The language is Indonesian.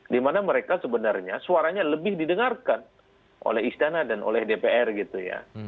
dimana mereka sebenarnya suaranya lebih didengarkan oleh istana dan oleh dpr gitu ya